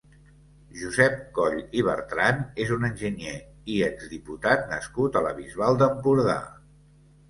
Josep Coll i Bertran és un enginyer i exdiputat nascut a la Bisbal d'Empordà.